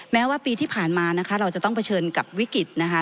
แม้ว่าปีที่ผ่านมานะคะเราจะต้องเผชิญกับวิกฤตนะคะ